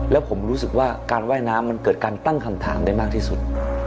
แล้วผมรู้สึกว่าการว่ายน้ำมันเกิดการตั้งคำถามได้มากที่สุด